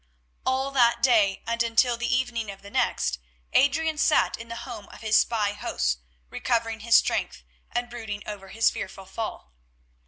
All that day and until the evening of the next Adrian sat in the home of his spy hosts recovering his strength and brooding over his fearful fall.